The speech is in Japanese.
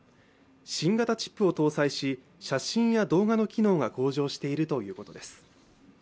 新型チップを搭載し、写真や動画の機能が向上しているということです。